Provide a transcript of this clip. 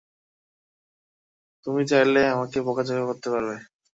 তুমি চাইলে আমাকে বকা-ঝকা করতে পারবে।